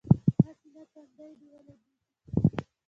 هسې نه تندی دې ولګېږي.